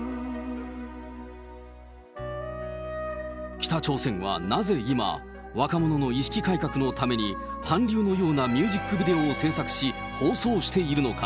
北朝鮮はなぜ今、若者の意識改革のために韓流のようなミュージックビデオを制作し、放送しているのか。